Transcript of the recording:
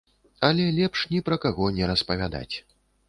Але лепш ні пра каго не распавядаць.